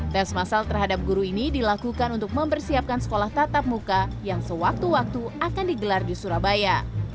tes masal terhadap guru ini dilakukan untuk mempersiapkan sekolah tatap muka yang sewaktu waktu akan digelar di surabaya